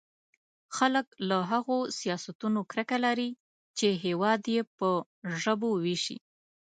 خلک له هغو سیاستونو کرکه لري چې هېواد يې په ژبو وېشي.